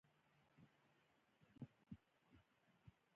د سیند پر څنډه وړاندې روان ووم.